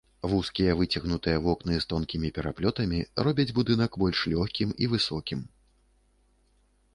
Вузкія выцягнутыя вокны з тонкімі пераплётамі робяць будынак больш лёгкім і высокім.